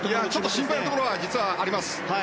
心配なところは実はあります。